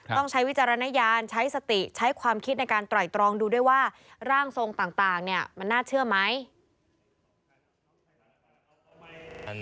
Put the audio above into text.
ใช้วิจารณญาณใช้สติใช้ความคิดในการไตรตรองดูด้วยว่าร่างทรงต่างเนี่ยมันน่าเชื่อไหม